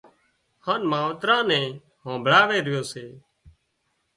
هانَ ماوتران نين همڀاۯي رو سي